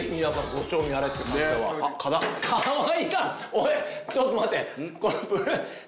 おいちょっと待て！